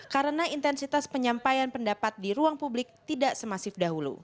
karena intensitas penyampaian pendapat di ruang publik tidak semasif dahulu